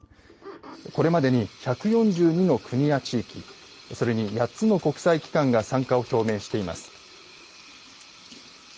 これまでに１４２の国や地域それに８つの国際機関が参加を表明しています。